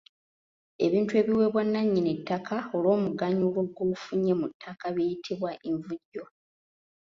Ebintu ebiweebwa nnannyini ttaka olw’omuganyulo gw’ofunye mu ttaka biyitibwa Nvujjo.